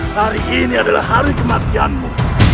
hari ini adalah hari kematianmu